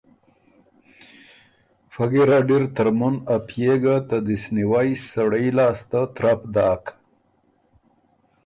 فۀ ګیرډ اِر ترمُن ا پئے ګه ته دِست نیوئ سړئ لاسته ترپ داک